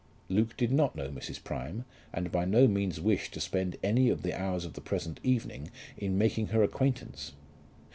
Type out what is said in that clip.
Luke did not know Mrs. Prime, and by no means wished to spend any of the hours of the present evening in making her acquaintance.